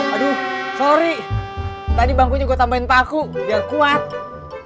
aduh sorry tadi bangkunya gue tambahin paku biar kuat